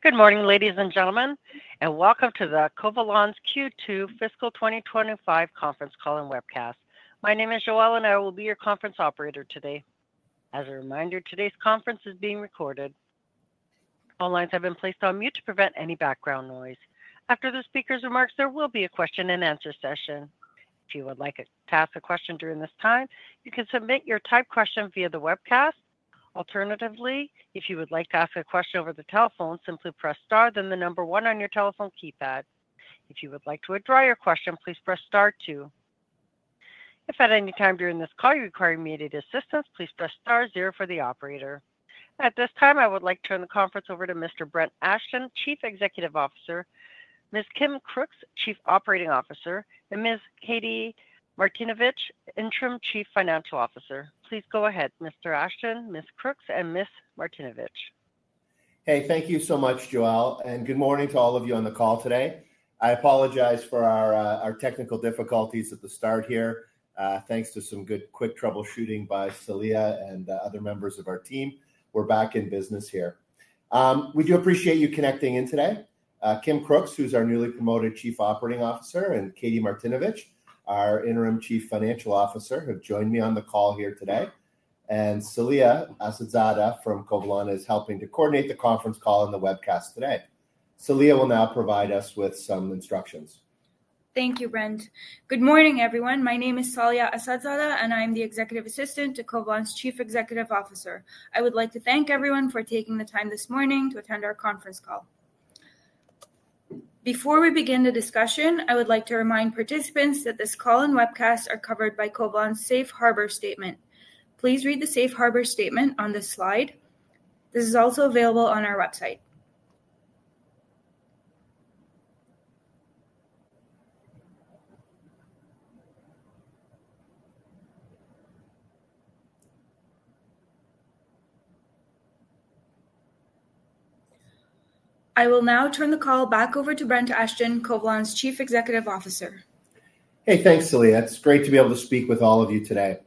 Good morning, ladies and gentlemen, and welcome to Covalon's Q2 Fiscal 2025 Conference Call and Webcast. My name is Joelle, and I will be your conference operator today. As a reminder, today's conference is being recorded. All lines have been placed on mute to prevent any background noise. After the speaker's remarks, there will be a question-and-answer session. If you would like to ask a question during this time, you can submit your typed question via the webcast. Alternatively, if you would like to ask a question over the telephone, simply press star then the number one on your telephone keypad. If you would like to withdraw your question, please press star two. If at any time during this call you require immediate assistance, please press star zero for the operator. At this time, I would like to turn the conference over to Mr. Brent Ashton, Chief Executive Officer, Ms. Kim Crooks, Chief Operating Officer, and Ms. Katie Martinovich, Interim Chief Financial Officer. Please go ahead, Mr. Ashton, Ms. Crooks, and Ms. Martinovich. Hey, thank you so much, Joelle, and good morning to all of you on the call today. I apologize for our technical difficulties at the start here. Thanks to some good quick troubleshooting by Saleha and other members of our team, we're back in business here. We do appreciate you connecting in today. Kim Crooks, who's our newly promoted Chief Operating Officer, and Katie Martinovich, our Interim Chief Financial Officer, have joined me on the call here today. And Saleha Assadzada from Covalon is helping to coordinate the conference call and the webcast today. Saleha will now provide us with some instructions. Thank you, Brent. Good morning, everyone. My name is Saleha Assadzada, and I'm the Executive Assistant to Covalon's Chief Executive Officer. I would like to thank everyone for taking the time this morning to attend our conference call. Before we begin the discussion, I would like to remind participants that this call and webcast are covered by Covalon's Safe Harbor Statement. Please read the Safe Harbor Statement on this slide. This is also available on our website. I will now turn the call back over to Brent Ashton, Covalon's Chief Executive Officer. Hey, thanks, Saleha. It's great to be able to speak with all of you today.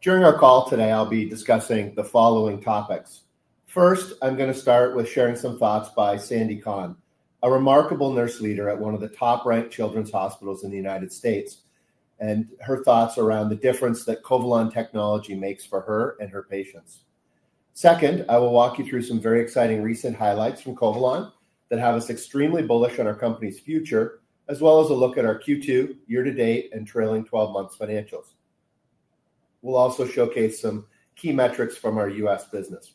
During our call today, I'll be discussing the following topics. First, I'm going to start with sharing some thoughts by Sandy Kahn, a remarkable nurse leader at one of the top-ranked children's hospitals in the United States, and her thoughts around the difference that Covalon technology makes for her and her patients. Second, I will walk you through some very exciting recent highlights from Covalon that have us extremely bullish on our company's future, as well as a look at our Q2 year-to-date and trailing 12-month financials. We'll also showcase some key metrics from our U.S. business.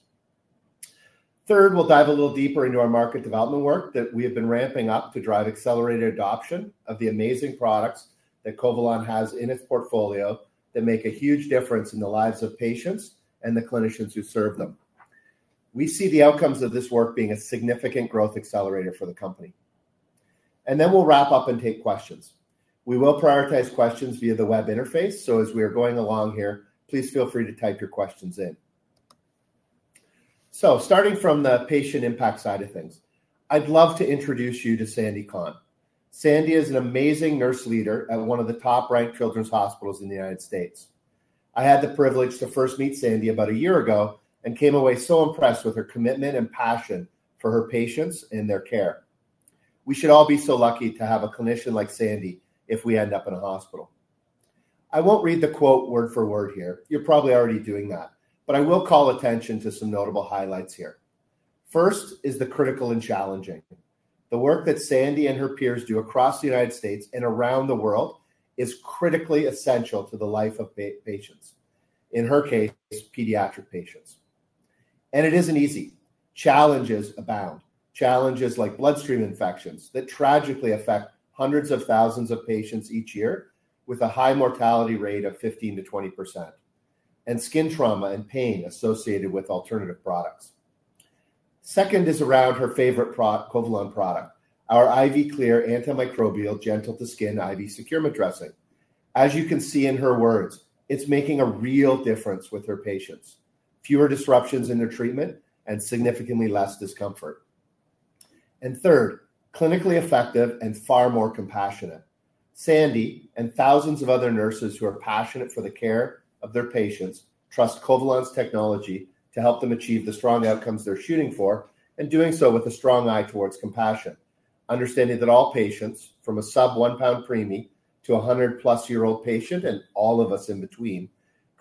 Third, we'll dive a little deeper into our market development work that we have been ramping up to drive accelerated adoption of the amazing products that Covalon has in its portfolio that make a huge difference in the lives of patients and the clinicians who serve them. We see the outcomes of this work being a significant growth accelerator for the company. Then we'll wrap up and take questions. We will prioritize questions via the web interface, so as we are going along here, please feel free to type your questions in. Starting from the patient impact side of things, I'd love to introduce you to Sandy Kahn. Sandy is an amazing nurse leader at one of the top-ranked children's hospitals in the United States. I had the privilege to first meet Sandy about a year ago and came away so impressed with her commitment and passion for her patients and their care. We should all be so lucky to have a clinician like Sandy if we end up in a hospital. I won't read the quote word for word here. You're probably already doing that. I will call attention to some notable highlights here. First is the critical and challenging. The work that Sandy and her peers do across the United States and around the world is critically essential to the life of patients, in her case, pediatric patients. It isn't easy. Challenges abound. Challenges like bloodstream infections that tragically affect hundreds of thousands of patients each year, with a high mortality rate of 15%-20%, and skin trauma and pain associated with alternative products. Second is around her favorite Covalon product, our IV Clear antimicrobial gentle-to-skin IV securement dressing. As you can see in her words, it's making a real difference with her patients. Fewer disruptions in their treatment and significantly less discomfort. Third, clinically effective and far more compassionate. Sandy and thousands of other nurses who are passionate for the care of their patients trust Covalon's technology to help them achieve the strong outcomes they're shooting for, and doing so with a strong eye towards compassion, understanding that all patients, from a sub-one-pound preemie to a hundred-plus-year-old patient and all of us in between,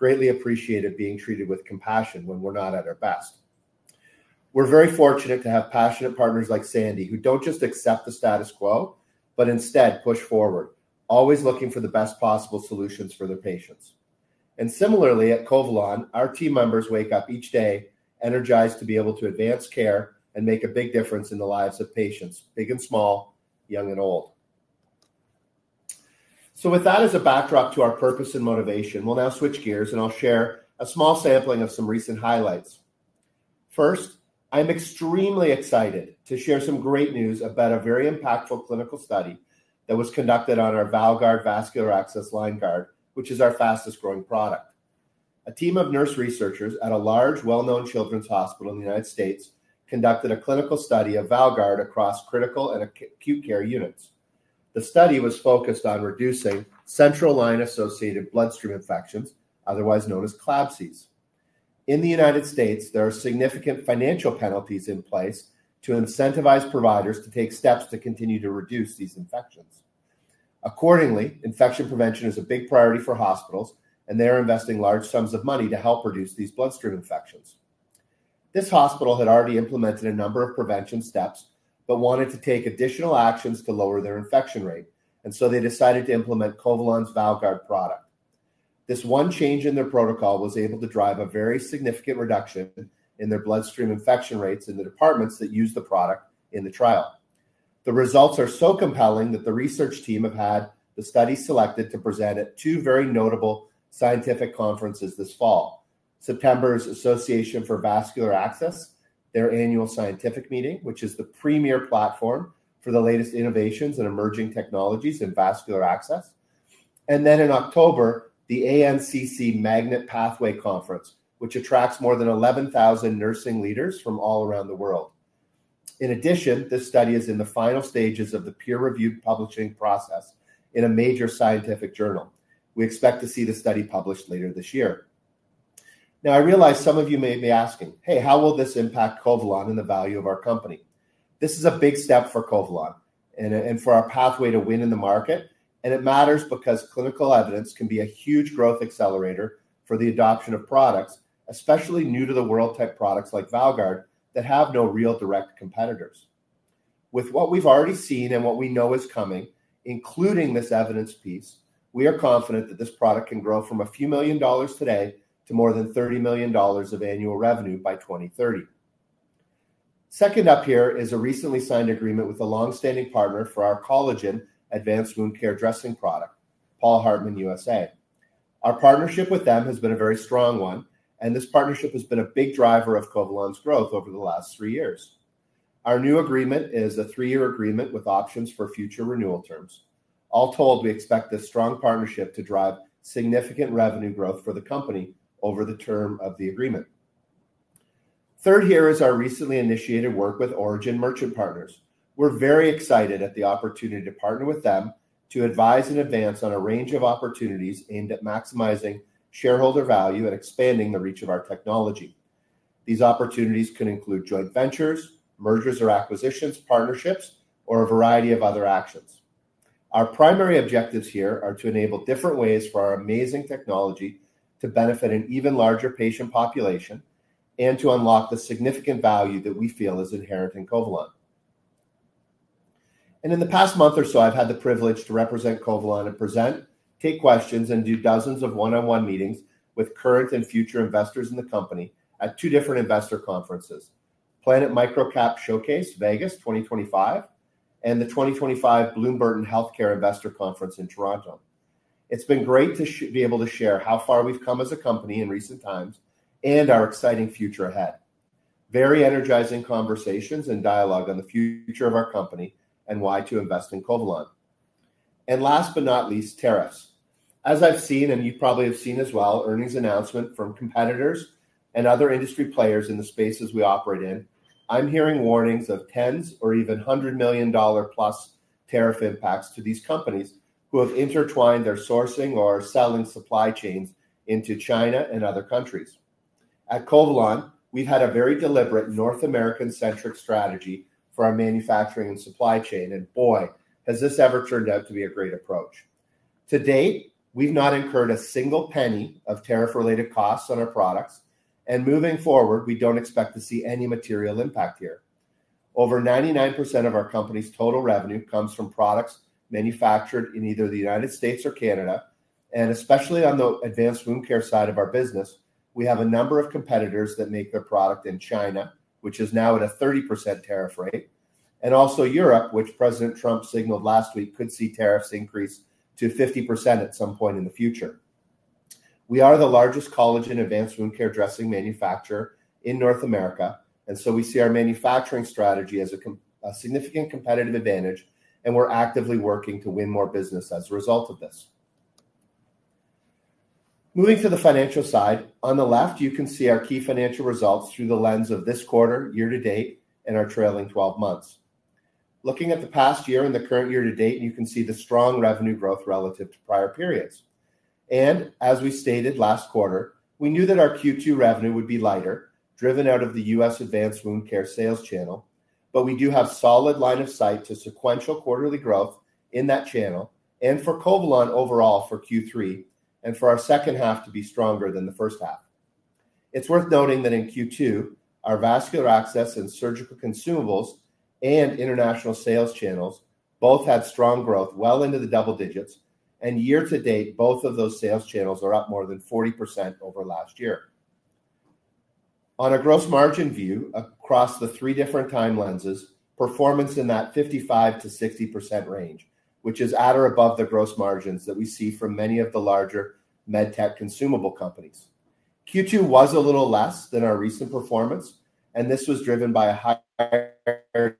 greatly appreciate it being treated with compassion when we're not at our best. We're very fortunate to have passionate partners like Sandy who don't just accept the status quo, but instead push forward, always looking for the best possible solutions for their patients. Similarly, at Covalon, our team members wake up each day energized to be able to advance care and make a big difference in the lives of patients, big and small, young and old. With that as a backdrop to our purpose and motivation, we'll now switch gears, and I'll share a small sampling of some recent highlights. First, I'm extremely excited to share some great news about a very impactful clinical study that was conducted on our VALGuard vascular access line guard, which is our fastest-growing product. A team of nurse researchers at a large, well-known children's hospital in the United States conducted a clinical study of VALGuard across critical and acute care units. The study was focused on reducing central line-associated bloodstream infections, otherwise known as CLABSIs. In the United States, there are significant financial penalties in place to incentivize providers to take steps to continue to reduce these infections. Accordingly, infection prevention is a big priority for hospitals, and they are investing large sums of money to help reduce these bloodstream infections. This hospital had already implemented a number of prevention steps but wanted to take additional actions to lower their infection rate, and so they decided to implement Covalon's VALGuard product. This one change in their protocol was able to drive a very significant reduction in their bloodstream infection rates in the departments that use the product in the trial. The results are so compelling that the research team have had the study selected to present at two very notable scientific conferences this fall: September's Association for Vascular Access, their annual scientific meeting, which is the premier platform for the latest innovations and emerging technologies in vascular access, and then in October, the ANCC Magnet Pathway Conference, which attracts more than 11,000 nursing leaders from all around the world. In addition, this study is in the final stages of the peer-reviewed publishing process in a major scientific journal. We expect to see the study published later this year. Now, I realize some of you may be asking, "Hey, how will this impact Covalon and the value of our company?" This is a big step for Covalon and for our pathway to win in the market, and it matters because clinical evidence can be a huge growth accelerator for the adoption of products, especially new-to-the-world-type products like VALGuard that have no real direct competitors. With what we've already seen and what we know is coming, including this evidence piece, we are confident that this product can grow from a few million dollars today to more than $30 million of annual revenue by 2030. Second up here is a recently signed agreement with a longstanding partner for our collagen advanced wound care dressing product, Paul Hartmann USA. Our partnership with them has been a very strong one, and this partnership has been a big driver of Covalon's growth over the last three years. Our new agreement is a three-year agreement with options for future renewal terms. All told, we expect this strong partnership to drive significant revenue growth for the company over the term of the agreement. Third here is our recently initiated work with Origin Merchant Partners. We're very excited at the opportunity to partner with them to advise in advance on a range of opportunities aimed at maximizing shareholder value and expanding the reach of our technology. These opportunities can include joint ventures, mergers or acquisitions, partnerships, or a variety of other actions. Our primary objectives here are to enable different ways for our amazing technology to benefit an even larger patient population and to unlock the significant value that we feel is inherent in Covalon. In the past month or so, I've had the privilege to represent Covalon and present, take questions, and do dozens of one-on-one meetings with current and future investors in the company at two different investor conferences: Planet MicroCap Showcase Vegas 2025 and the 2025 Bloom Burton Healthcare Investor Conference in Toronto. It's been great to be able to share how far we've come as a company in recent times and our exciting future ahead. Very energizing conversations and dialogue on the future of our company and why to invest in Covalon. Last but not least, tariffs. As I've seen, and you probably have seen as well, earnings announcements from competitors and other industry players in the spaces we operate in, I'm hearing warnings of tens or even $100 million-plus tariff impacts to these companies who have intertwined their sourcing or selling supply chains into China and other countries. At Covalon, we've had a very deliberate North American-centric strategy for our manufacturing and supply chain, and boy, has this ever turned out to be a great approach. To date, we've not incurred a single penny of tariff-related costs on our products, and moving forward, we don't expect to see any material impact here. Over 99% of our company's total revenue comes from products manufactured in either the United States or Canada, and especially on the advanced wound care side of our business, we have a number of competitors that make their product in China, which is now at a 30% tariff rate, and also Europe, which President Trump signaled last week could see tariffs increase to 50% at some point in the future. We are the largest collagen advanced wound care dressing manufacturer in North America, and we see our manufacturing strategy as a significant competitive advantage, and we're actively working to win more business as a result of this. Moving to the financial side, on the left, you can see our key financial results through the lens of this quarter, year-to-date, and our trailing 12 months. Looking at the past year and the current year-to-date, you can see the strong revenue growth relative to prior periods. As we stated last quarter, we knew that our Q2 revenue would be lighter, driven out of the U.S. advanced wound care sales channel, but we do have solid line of sight to sequential quarterly growth in that channel and for Covalon overall for Q3 and for our second half to be stronger than the first half. It is worth noting that in Q2, our vascular access and surgical consumables and international sales channels both had strong growth well into the double digits, and year-to-date, both of those sales channels are up more than 40% over last year. On a gross margin view across the three different time lenses, performance in that 55%-60% range, which is at or above the gross margins that we see from many of the larger MedTech consumable companies. Q2 was a little less than our recent performance, and this was driven by a higher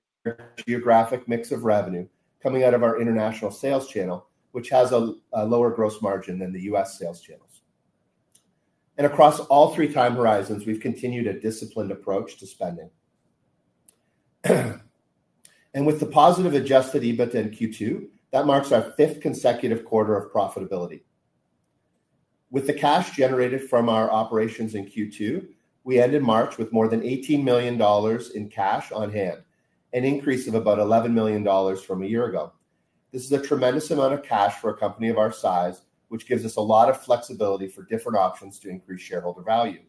geographic mix of revenue coming out of our international sales channel, which has a lower gross margin than the U.S. sales channels. Across all three time horizons, we've continued a disciplined approach to spending. With the positive adjusted EBITDA in Q2, that marks our fifth consecutive quarter of profitability. With the cash generated from our operations in Q2, we ended March with more than $18 million in cash on hand, an increase of about $11 million from a year ago. This is a tremendous amount of cash for a company of our size, which gives us a lot of flexibility for different options to increase shareholder value.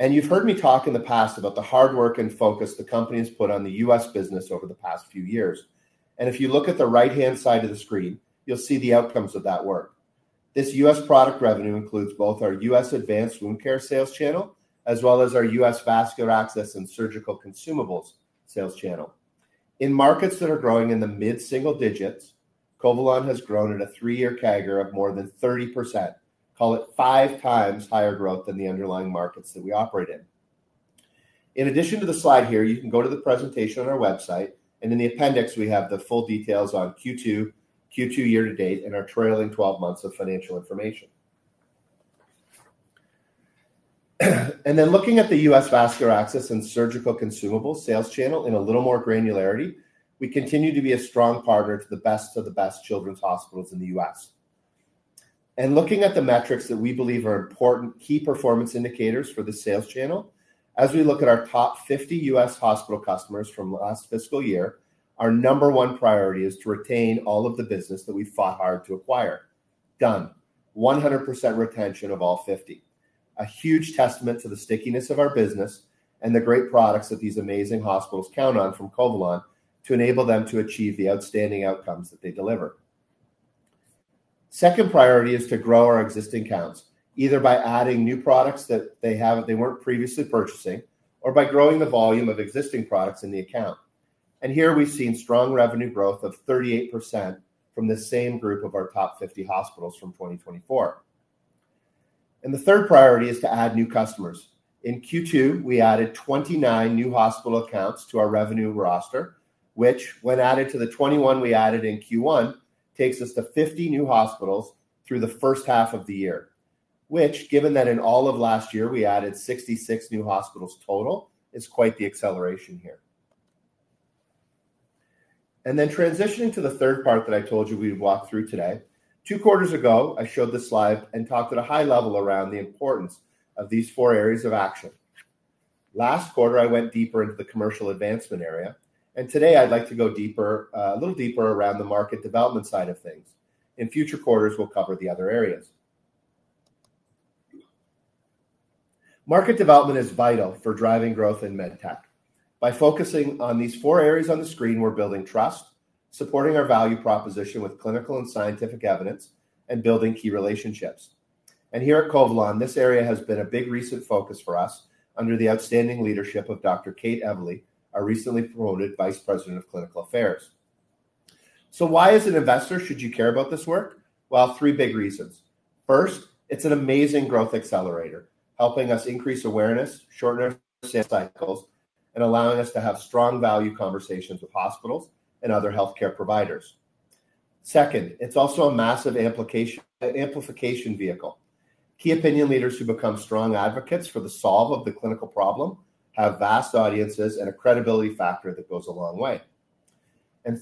You have heard me talk in the past about the hard work and focus the company has put on the U.S. business over the past few years. If you look at the right-hand side of the screen, you will see the outcomes of that work. This U.S. product revenue includes both our U.S. Advanced Wound Care sales channel as well as our U.S. Vascular Access and Surgical Consumables sales channel. In markets that are growing in the mid-single digits, Covalon has grown at a three-year CAGR of more than 30%, call it five times higher growth than the underlying markets that we operate in. In addition to the slide here, you can go to the presentation on our website, and in the appendix, we have the full details on Q2, Q2 year-to-date, and our trailing 12 months of financial information. Looking at the U.S. Vascular Access and Surgical Consumables sales channel in a little more granularity, we continue to be a strong partner to the best of the best children's hospitals in the U.S. Looking at the metrics that we believe are important key performance indicators for the sales channel, as we look at our top 50 U.S. hospital customers from last fiscal year, our number one priority is to retain all of the business that we fought hard to acquire. Done. 100% retention of all 50. A huge testament to the stickiness of our business and the great products that these amazing hospitals count on from Covalon to enable them to achieve the outstanding outcomes that they deliver. The second priority is to grow our existing accounts, either by adding new products that they were not previously purchasing or by growing the volume of existing products in the account. Here we have seen strong revenue growth of 38% from the same group of our top 50 hospitals from 2024. The third priority is to add new customers. In Q2, we added 29 new hospital accounts to our revenue roster, which, when added to the 21 we added in Q1, takes us to 50 new hospitals through the first half of the year, which, given that in all of last year we added 66 new hospitals total, is quite the acceleration here. Then transitioning to the third part that I told you we'd walk through today, two quarters ago, I showed the slide and talked at a high level around the importance of these four areas of action. Last quarter, I went deeper into the commercial advancement area, and today I'd like to go a little deeper around the market development side of things. In future quarters, we'll cover the other areas. Market development is vital for driving growth in MedTech. By focusing on these four areas on the screen, we're building trust, supporting our value proposition with clinical and scientific evidence, and building key relationships. Here at Covalon, this area has been a big recent focus for us under the outstanding leadership of Dr. Kate Evely, our recently promoted Vice President of Clinical Affairs. As an investor, why should you care about this work? Three big reasons. First, it's an amazing growth accelerator, helping us increase awareness, shorten our sales cycles, and allowing us to have strong value conversations with hospitals and other healthcare providers. Second, it's also a massive amplification vehicle. Key opinion leaders who become strong advocates for the solve of the clinical problem have vast audiences and a credibility factor that goes a long way.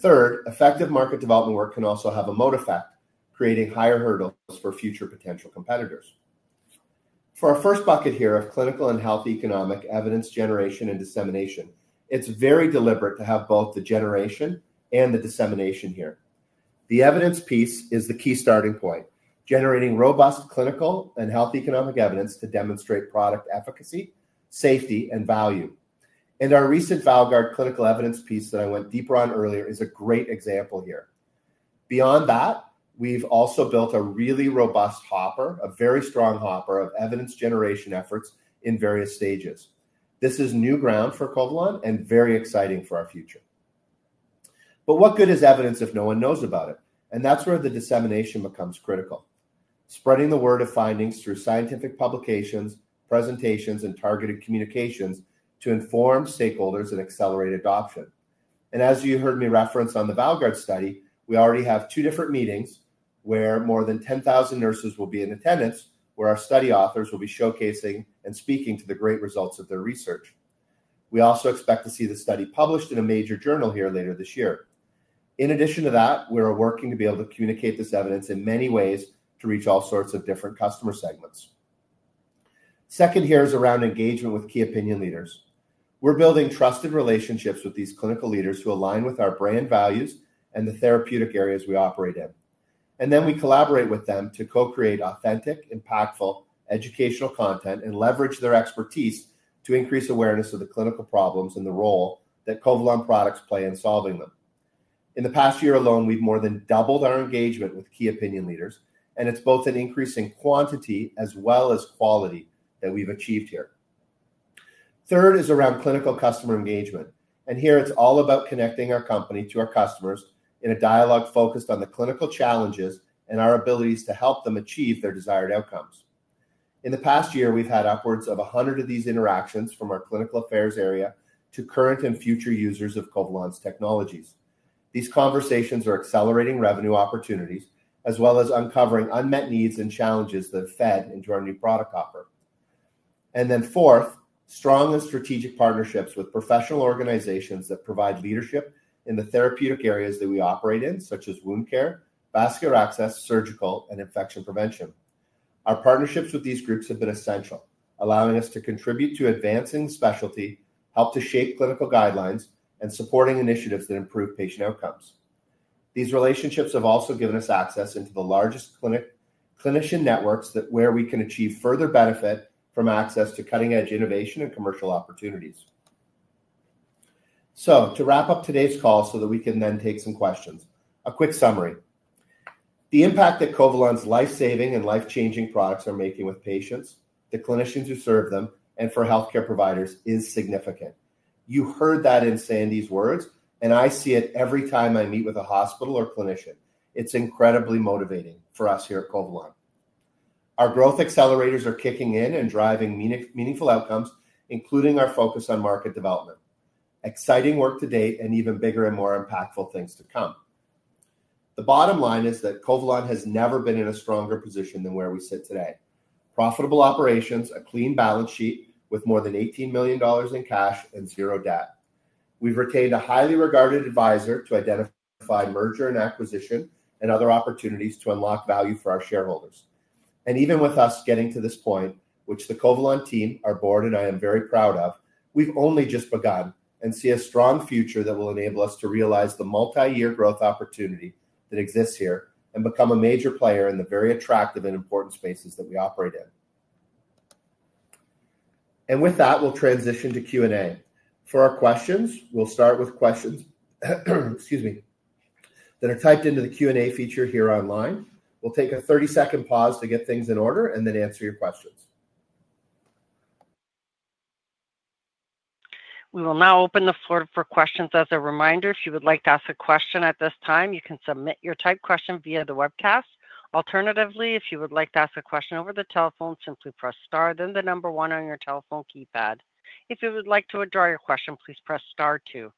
Third, effective market development work can also have a moat effect, creating higher hurdles for future potential competitors. For our first bucket here of clinical and health economic evidence generation and dissemination, it's very deliberate to have both the generation and the dissemination here. The evidence piece is the key starting point, generating robust clinical and health economic evidence to demonstrate product efficacy, safety, and value. Our recent VALGuard clinical evidence piece that I went deeper on earlier is a great example here. Beyond that, we've also built a really robust hopper, a very strong hopper of evidence generation efforts in various stages. This is new ground for Covalon and very exciting for our future. What good is evidence if no one knows about it? That is where the dissemination becomes critical. Spreading the word of findings through scientific publications, presentations, and targeted communications to inform stakeholders and accelerate adoption. As you heard me reference on the VALGuard study, we already have two different meetings where more than 10,000 nurses will be in attendance, where our study authors will be showcasing and speaking to the great results of their research. We also expect to see the study published in a major journal here later this year. In addition to that, we are working to be able to communicate this evidence in many ways to reach all sorts of different customer segments. Second here is around engagement with key opinion leaders. We are building trusted relationships with these clinical leaders who align with our brand values and the therapeutic areas we operate in. We collaborate with them to co-create authentic, impactful educational content and leverage their expertise to increase awareness of the clinical problems and the role that Covalon products play in solving them. In the past year alone, we have more than doubled our engagement with key opinion leaders, and it is both an increase in quantity as well as quality that we have achieved here. Third is around clinical customer engagement. Here it is all about connecting our company to our customers in a dialogue focused on the clinical challenges and our abilities to help them achieve their desired outcomes. In the past year, we've had upwards of 100 of these interactions from our clinical affairs area to current and future users of Covalon's technologies. These conversations are accelerating revenue opportunities as well as uncovering unmet needs and challenges that have fed into our new product offer. Fourth, strong and strategic partnerships with professional organizations that provide leadership in the therapeutic areas that we operate in, such as wound care, vascular access, surgical, and infection prevention. Our partnerships with these groups have been essential, allowing us to contribute to advancing specialty, help to shape clinical guidelines, and supporting initiatives that improve patient outcomes. These relationships have also given us access into the largest clinician networks where we can achieve further benefit from access to cutting-edge innovation and commercial opportunities. To wrap up today's call so that we can then take some questions, a quick summary. The impact that Covalon's life-saving and life-changing products are making with patients, the clinicians who serve them, and for healthcare providers is significant. You heard that in Sandy's words, and I see it every time I meet with a hospital or clinician. It's incredibly motivating for us here at Covalon. Our growth accelerators are kicking in and driving meaningful outcomes, including our focus on market development. Exciting work to date and even bigger and more impactful things to come. The bottom line is that Covalon has never been in a stronger position than where we sit today. Profitable operations, a clean balance sheet with more than $18 million in cash and zero debt. We've retained a highly regarded advisor to identify merger and acquisition and other opportunities to unlock value for our shareholders. Even with us getting to this point, which the Covalon team, our board, and I am very proud of, we've only just begun and see a strong future that will enable us to realize the multi-year growth opportunity that exists here and become a major player in the very attractive and important spaces that we operate in. With that, we'll transition to Q&A. For our questions, we'll start with questions that are typed into the Q&A feature here online. We'll take a 30-second pause to get things in order and then answer your questions. We will now open the floor for questions. As a reminder, if you would like to ask a question at this time, you can submit your typed question via the webcast. Alternatively, if you would like to ask a question over the telephone, simply press star, then the number one on your telephone keypad. If you would like to withdraw your question, please press star two.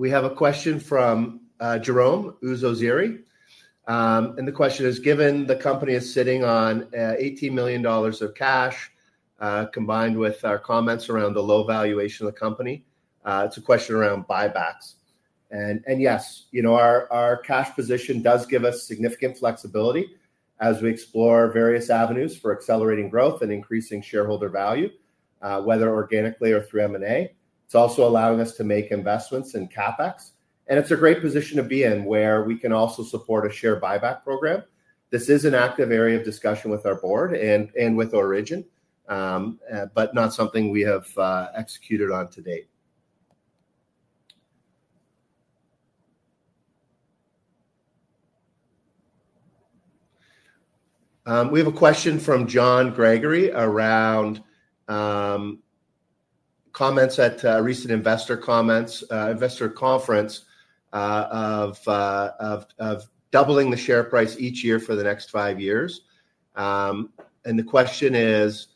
We have a question from Jerome Uzoziri. And the question is, given the company is sitting on $18 million of cash combined with our comments around the low valuation of the company, it's a question around buybacks. And yes, our cash position does give us significant flexibility as we explore various avenues for accelerating growth and increasing shareholder value, whether organically or through M&A. It's also allowing us to make investments in CapEx. And it's a great position to be in where we can also support a share buyback program. This is an active area of discussion with our board and with Origin, but not something we have executed on to date. We have a question from John Gregory around comments at a recent investor conference of doubling the share price each year for the next five years. The question is,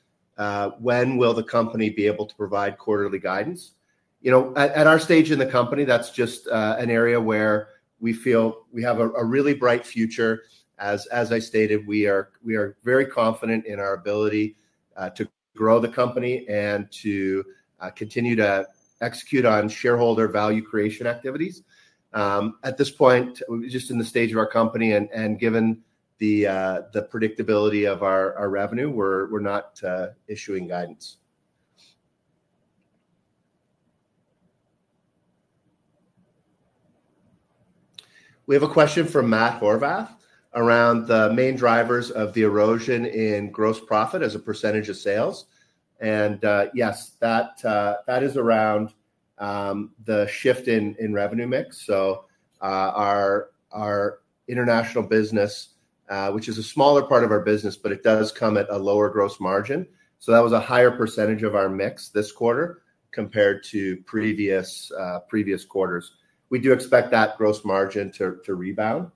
when will the company be able to provide quarterly guidance? At our stage in the company, that's just an area where we feel we have a really bright future. As I stated, we are very confident in our ability to grow the company and to continue to execute on shareholder value creation activities. At this point, just in the stage of our company, and given the predictability of our revenue, we're not issuing guidance. We have a question from Matt Horvath around the main drivers of the erosion in gross profit as a percentage of sales. Yes, that is around the shift in revenue mix. Our international business, which is a smaller part of our business, but it does come at a lower gross margin. That was a higher percentage of our mix this quarter compared to previous quarters. We do expect that gross margin to rebound.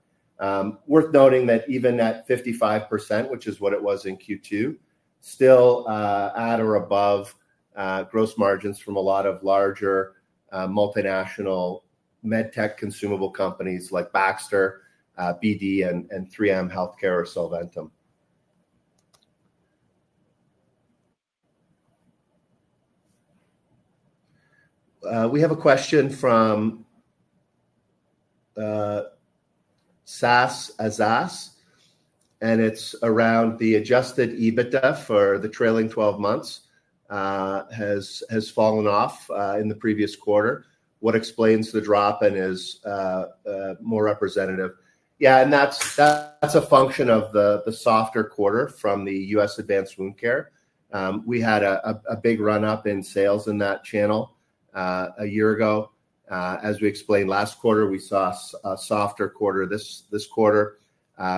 Worth noting that even at 55%, which is what it was in Q2, still at or above gross margins from a lot of larger multinational medtech consumable companies like Baxter, BD, and 3M Healthcare or Solventum. We have a question from Sass Azas, and it's around the adjusted EBITDA for the trailing 12 months has fallen off in the previous quarter. What explains the drop and is more representative? Yeah, and that's a function of the softer quarter from the U.S. Advanced Wound Care. We had a big run-up in sales in that channel a year ago. As we explained, last quarter, we saw a softer quarter this quarter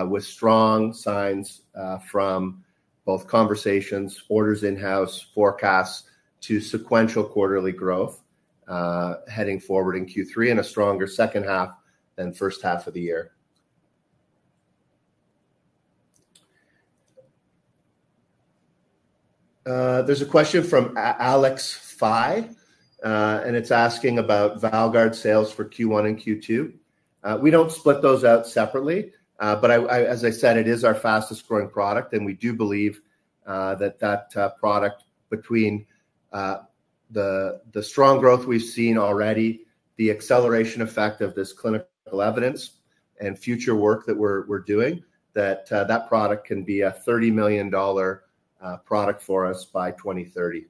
with strong signs from both conversations, orders in-house, forecasts to sequential quarterly growth heading forward in Q3 and a stronger second half than first half of the year. There's a question from Alex Phi, and it's asking about VALGuard sales for Q1 and Q2. We don't split those out separately, but as I said, it is our fastest growing product, and we do believe that that product, between the strong growth we've seen already, the acceleration effect of this clinical evidence, and future work that we're doing, that that product can be a $30 million product for us by 2030.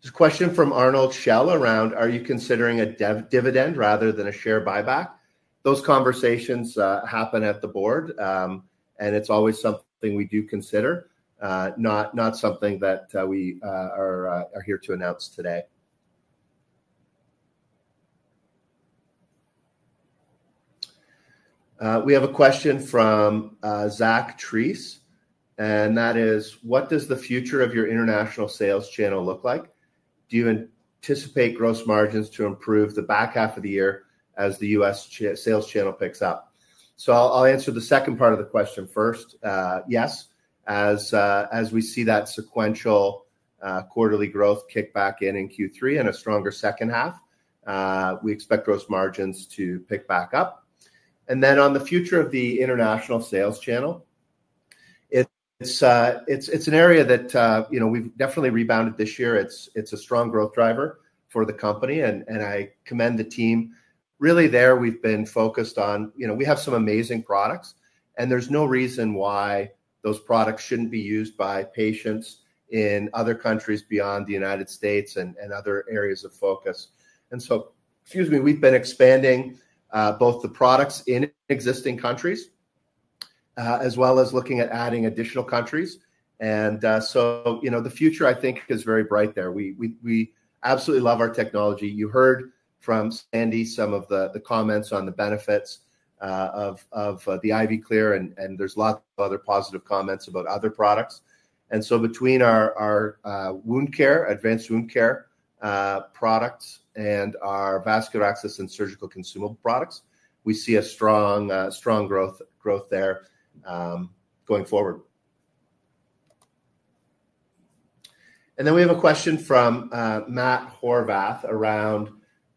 There's a question from Arnold Shell around, are you considering a dividend rather than a share buyback? Those conversations happen at the board, and it's always something we do consider, not something that we are here to announce today. We have a question from Zach Trees, and that is, what does the future of your international sales channel look like? Do you anticipate gross margins to improve the back half of the year as the U.S. sales channel picks up? I'll answer the second part of the question first. Yes, as we see that sequential quarterly growth kick back in in Q3 and a stronger second half, we expect gross margins to pick back up. On the future of the international sales channel, it's an area that we've definitely rebounded this year. It's a strong growth driver for the company, and I commend the team. Really, there we've been focused on, we have some amazing products, and there's no reason why those products shouldn't be used by patients in other countries beyond the United States and other areas of focus. Excuse me, we've been expanding both the products in existing countries as well as looking at adding additional countries. The future, I think, is very bright there. We absolutely love our technology. You heard from Sandy some of the comments on the benefits of the IV Clear, and there are lots of other positive comments about other products. Between our wound care, advanced wound care products, and our vascular access and surgical consumable products, we see strong growth there going forward. We have a question from Matt Horvath around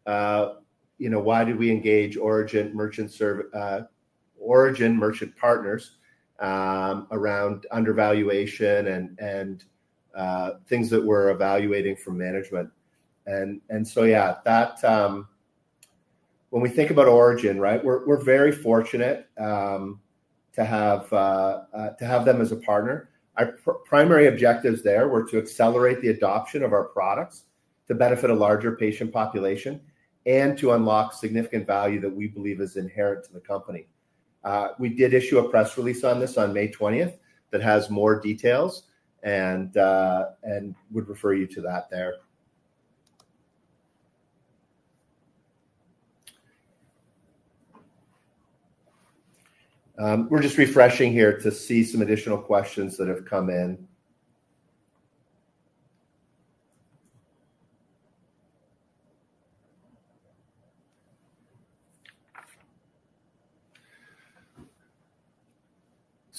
why we engaged Origin Merchant Partners around undervaluation and things that we are evaluating from management. When we think about Origin, we are very fortunate to have them as a partner. Our primary objectives there were to accelerate the adoption of our products to benefit a larger patient population and to unlock significant value that we believe is inherent to the company. We did issue a press release on this on May 20th that has more details and would refer you to that there. We're just refreshing here to see some additional questions that have come in.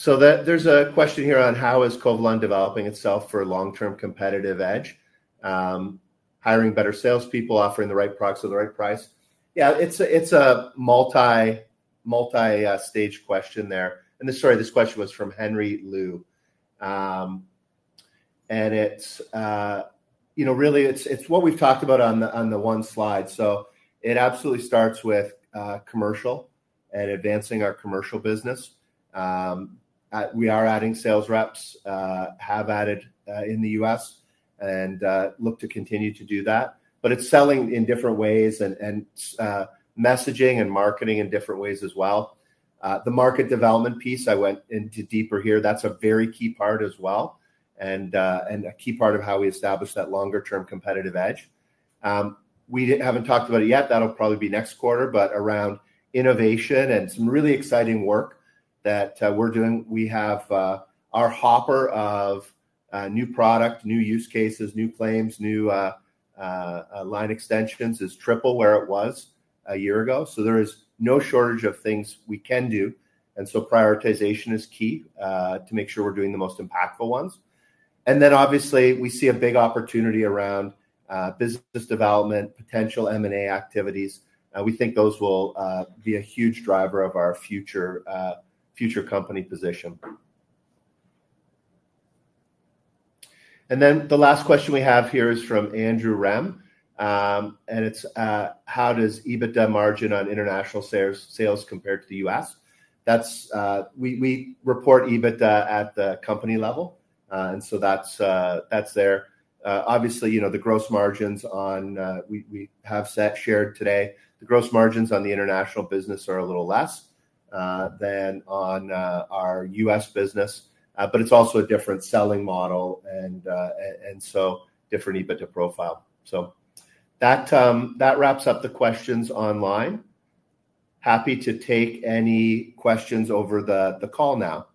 There's a question here on how is Covalon developing itself for long-term competitive edge, hiring better salespeople, offering the right products at the right price. Yeah, it's a multi-stage question there. Sorry, this question was from Henry Liu. Really, it's what we've talked about on the one slide. It absolutely starts with commercial and advancing our commercial business. We are adding sales reps, have added in the U.S., and look to continue to do that. It's selling in different ways and messaging and marketing in different ways as well. The market development piece, I went into deeper here. That's a very key part as well and a key part of how we establish that longer-term competitive edge. We haven't talked about it yet. That'll probably be next quarter, but around innovation and some really exciting work that we're doing. Our hopper of new product, new use cases, new claims, new line extensions is triple where it was a year ago. There is no shortage of things we can do. Prioritization is key to make sure we're doing the most impactful ones. Obviously, we see a big opportunity around business development, potential M&A activities. We think those will be a huge driver of our future company position. The last question we have here is from Andrew Rem, and it's, how does EBITDA margin on international sales compare to the U.S.? We report EBITDA at the company level, and so that's there. Obviously, the gross margins on we have shared today, the gross margins on the international business are a little less than on our U.S. business, but it's also a different selling model and so different EBITDA profile. That wraps up the questions online. Happy to take any questions over the call now.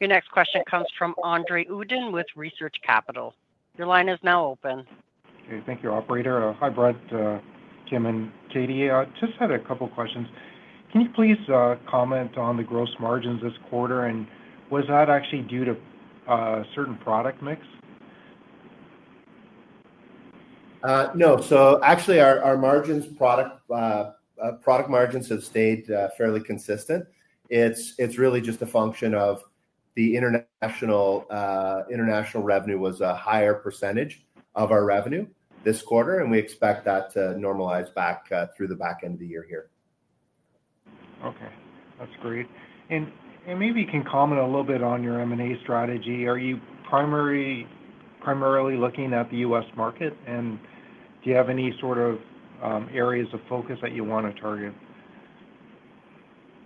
Your next question comes from Andrè Uddin with Research Capital. Your line is now open. Hey, thank you, Operator. Hi, Brent, Tim, and Katie. I just had a couple of questions. Can you please comment on the gross margins this quarter, and was that actually due to certain product mix? No. Actually, our product margins have stayed fairly consistent. It's really just a function of the international revenue being a higher percentage of our revenue this quarter, and we expect that to normalize back through the back end of the year here. Okay. That's great. Maybe you can comment a little bit on your M&A strategy. Are you primarily looking at the U.S. market, and do you have any sort of areas of focus that you want to target?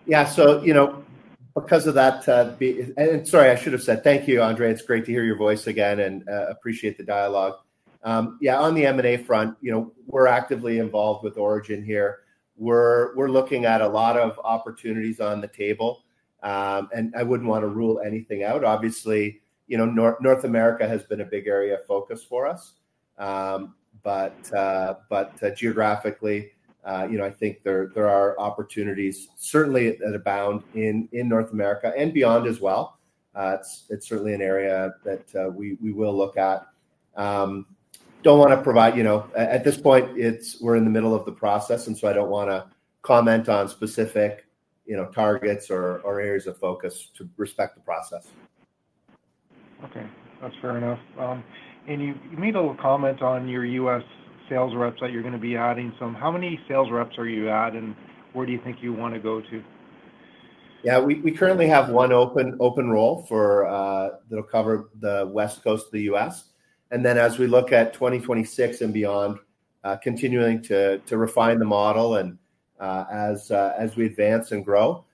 Yeah. So because of that, and sorry, I should have said, thank you, Andre. It's great to hear your voice again and appreciate the dialogue. Yeah, on the M&A front, we're actively involved with Origin here. We're looking at a lot of opportunities on the table, and I wouldn't want to rule anything out. Obviously, North America has been a big area of focus for us, but geographically, I think there are opportunities certainly abound in North America and beyond as well. It's certainly an area that we will look at. Don't want to provide at this point, we're in the middle of the process, and so I don't want to comment on specific targets or areas of focus to respect the process. Okay. That's fair enough. You made a little comment on your U.S. sales reps, that you're going to be adding some. How many sales reps are you adding, and where do you think you want to go to? Yeah. We currently have one open role that'll cover the West Coast of the U.S. As we look at 2026 and beyond, continuing to refine the model and as we advance and grow,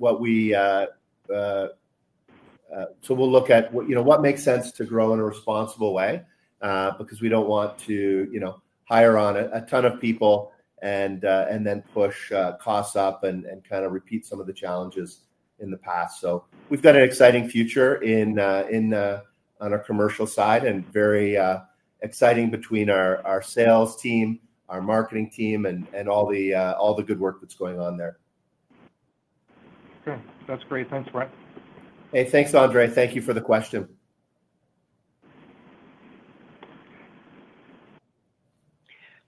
we will look at what makes sense to grow in a responsible way because we don't want to hire on a ton of people and then push costs up and kind of repeat some of the challenges in the past. We've got an exciting future on our commercial side and very exciting between our sales team, our marketing team, and all the good work that's going on there. Okay. That's great. Thanks, Brent. Hey, thanks, Andrè. Thank you for the question.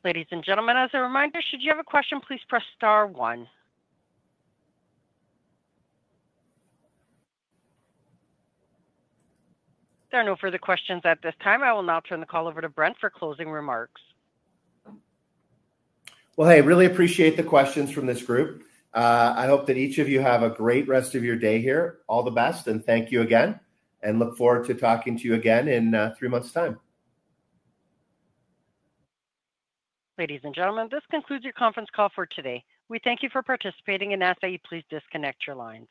Ladies and gentlemen, as a reminder, should you have a question, please press star one. There are no further questions at this time. I will now turn the call over to Brent for closing remarks. I really appreciate the questions from this group. I hope that each of you have a great rest of your day here. All the best, and thank you again, and look forward to talking to you again in three months' time. Ladies and gentlemen, this concludes your conference call for today. We thank you for participating and ask that you please disconnect your lines.